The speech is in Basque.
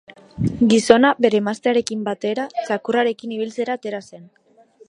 Gizona bere emaztearekin batera txakurrekin ibiltzera atera zen.